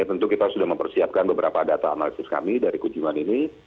tentu kita sudah mempersiapkan beberapa data analisis kami dari kunjungan ini